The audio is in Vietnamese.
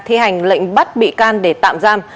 thi hành lệnh bắt bị can để tạm giam